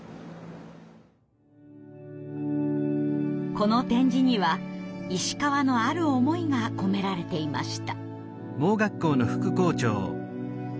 この点字には石川のある思いが込められていました。